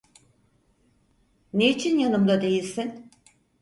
Niçin yanımda değilsin?